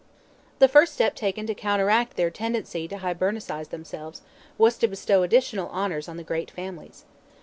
The first step taken to counteract their tendency to Hibernicize themselves, was to bestow additional honours on the great families.